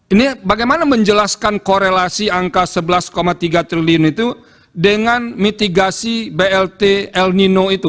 ini bagaimana menjelaskan korelasi angka sebelas tiga triliun itu dengan mitigasi blt el nino itu